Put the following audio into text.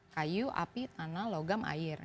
kayu api tanah logam air